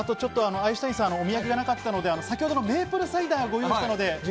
アインシュタインさん、お土産がなかったので、先ほどのメープルサイダーをご用意しました。